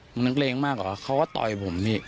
ผมนึกเลงมากเหรอเขาก็ต่อยผมพี่